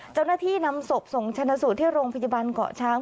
เจ้าหน้าที่นำศพส่งชนะสูตรที่โรงพยาบาลเกาะช้าง